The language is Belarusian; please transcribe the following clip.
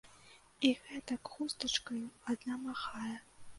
І гэтак хустачкаю адна махае.